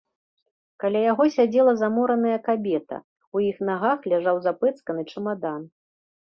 Каля яго сядзела замораная кабета, у іх нагах ляжаў запэцканы чамадан.